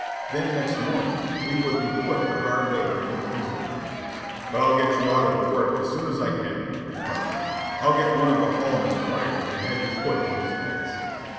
Then next morning we would be put to hard labor in the prison yard. "But I'll get you out of the work as soon as I can," he promised. "I'll get one of the hall men fired and have you put in his place."